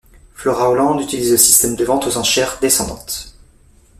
FloraHolland utilise le système de vente aux enchères descendante.